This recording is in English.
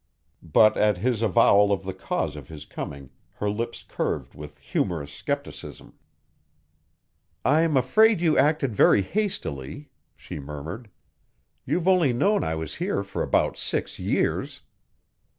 But at his avowal of the cause of his coming her lips curved with humorous scepticism. "I'm afraid you acted very hastily," she murmured. "You've only known I was here for about six years."